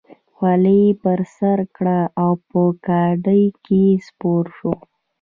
خولۍ یې پر سر کړه او په ګاډۍ کې سپور شو.